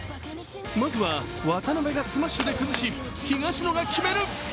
まずは渡辺がスマッシュで崩し東野が決める。